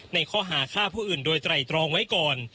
ในข้อหาฆ่าผู้อื่นโดยไตรตรองไว้ก่อน